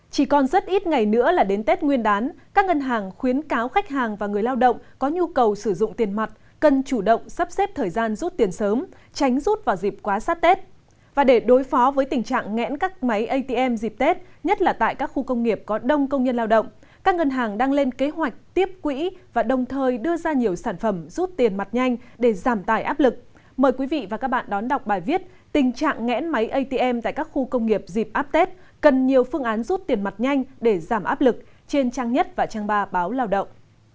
chỉ tiết tình trạng ngẽn máy atm tại các khu công nghiệp dịp áp tết cần nhiều phương án rút tiền mặt nhanh để giảm áp lực trên trang nhất và trang ba báo lao động